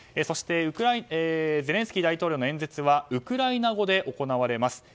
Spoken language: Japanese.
そしてゼレンスキー大統領の演説はウクライナ語で行われます。